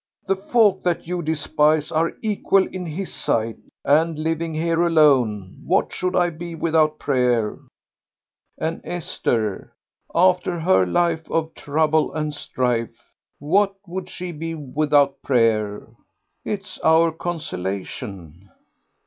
The folk that you despise are equal in His sight. And living here alone, what should I be without prayer? and Esther, after her life of trouble and strife, what would she be without prayer?... It is our consolation."